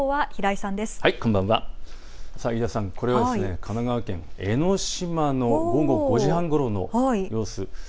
井田さん、これは神奈川県江ノ島の午後５時半ごろの様子。